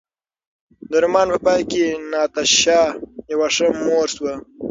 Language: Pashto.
د رومان په پای کې ناتاشا یوه ښه مور شوه.